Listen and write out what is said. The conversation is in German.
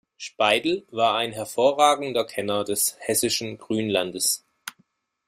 Speidel war ein hervorragender Kenner des hessischen Grünlandes.